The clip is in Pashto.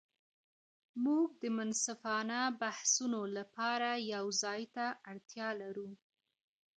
موږ د منصفانه بحثونو لپاره یو ځای ته اړتیا لرو.